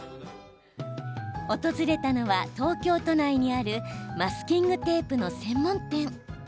訪れたのは、東京都内にあるマスキングテープの専門店。